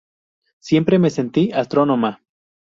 Siempre me sentí astrónoma.